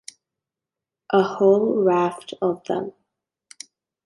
A whole raft of them.